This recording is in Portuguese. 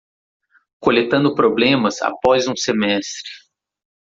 Coletando problemas após um semestre